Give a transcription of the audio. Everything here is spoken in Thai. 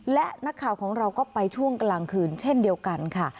และนักข่าวของเราก็ไปช่วงกลางคืนเช่นเดียวกันค่ะ